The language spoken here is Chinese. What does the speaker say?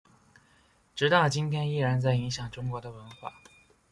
直到今天依然在影响中国的文化。